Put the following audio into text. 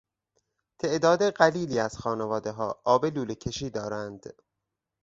تعداد قلیلی از خانوادهها آب لوله کشی دارند.